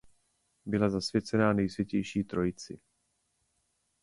Byla zasvěcená Nejsvětější Trojici.